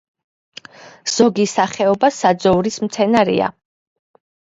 ზოგი სახეობა საძოვრის მცენარეა.